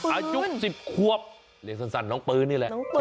อายุ๑๐ควบเรียกสั้นน้องปืนนี่แหละ